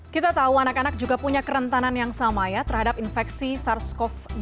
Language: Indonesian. kita tahu anak anak juga punya kerentanan yang sama ya terhadap infeksi sars cov dua